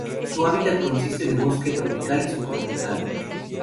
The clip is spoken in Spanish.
Su hábitat consiste de bosque tropical y subtropical.